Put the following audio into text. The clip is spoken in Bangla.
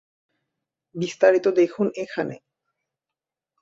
বিস্তারিত দেখুন এখানে